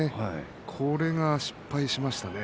これが失敗しましたね。